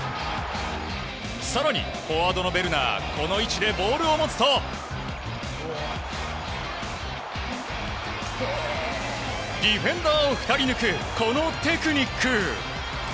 更に、フォワードのベルナーこの位置でボールを持つとディフェンダーを２人抜くこのテクニック。